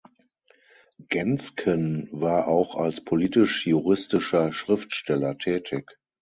Genzken war auch als politisch-juristischer Schriftsteller tätig.